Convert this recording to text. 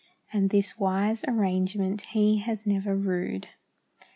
And this wise arrangement He has never rued.